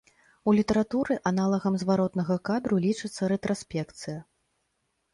У літаратуры аналагам зваротнага кадру лічыцца рэтраспекцыя.